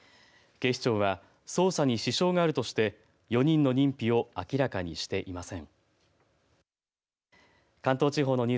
警視庁は捜査に支障があるとして４人の認否を明らかにしていません。